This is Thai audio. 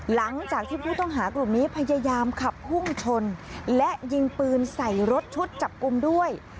หลังจากที่ผู้ต้องหากลุ่มนี้พยายามขับพุ่งชนและยิงปืนใส่รถชุดจับกลุ่มด้วย